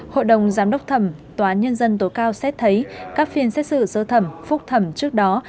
hội đồng giám đốc thẩm toán nhân dân tối cao xét thấy các phiên xét xử sơ thẩm phúc thẩm trước đó